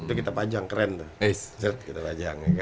itu kita pajang keren tuh